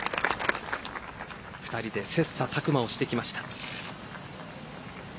２人で切磋琢磨をしてきました。